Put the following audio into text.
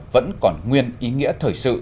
vẫn còn nguyên ý nghĩa thời sự